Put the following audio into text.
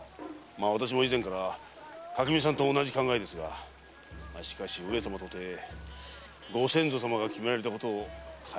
私も以前から垣見さんと同じ考えですがしかし上様とてご先祖様が決められたことを変えるというのは。